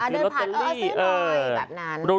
เดินผ่านก็เอาซะหน่อยแบบนั้น